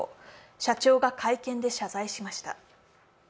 社長が会見で謝罪しました。